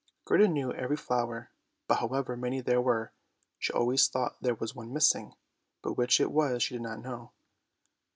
Gerda knew every flower, but however many there were, she always thought there was one missing, but which it was she did not know.